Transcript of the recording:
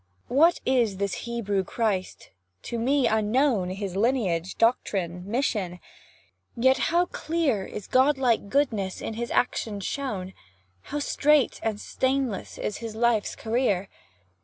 What is this Hebrew Christ? to me unknown His lineage doctrine mission; yet how clear Is God like goodness in his actions shown, How straight and stainless is his life's career!